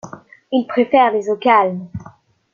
Il préfère les eaux calmes.